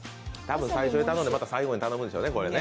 多分、最初に頼んで最後に頼むんでしょうね。